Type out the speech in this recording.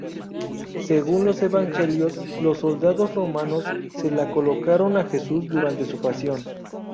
Según los evangelios, los soldados romanos se la colocaron a Jesús durante su pasión.